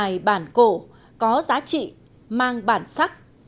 bài bản cổ có giá trị mang bản sắc